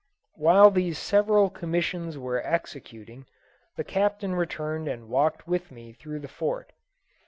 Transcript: While these several commissions were executing, the Captain returned and walked with me through the Fort.